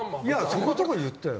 そこそこ言ったよ。